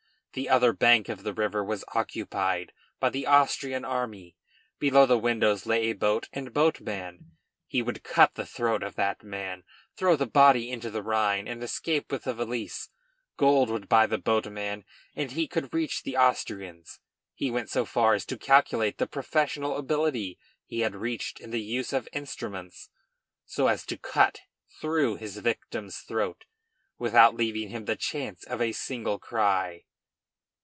The other bank of the river was occupied by the Austrian army; below the windows lay a boat and boatman; he would cut the throat of that man, throw the body into the Rhine, and escape with the valise; gold would buy the boatman and he could reach the Austrians. He went so far as to calculate the professional ability he had reached in the use of instruments, so as to cut through his victim's throat without leaving him the chance for a single cry.